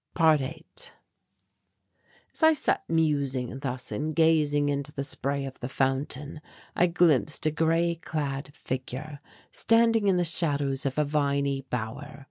~8~ As I sat musing thus and gazing into the spray of the fountain I glimpsed a grey clad figure, standing in the shadows of a viney bower.